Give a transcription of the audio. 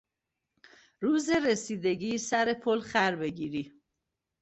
روز رسیدگی، سر پل خر بگیری